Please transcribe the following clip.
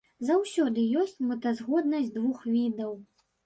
Заўсёды ёсць мэтазгоднасць двух відаў.